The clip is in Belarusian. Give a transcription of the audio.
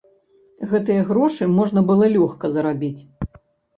Гэтыя грошы можна было лёгка зарабіць.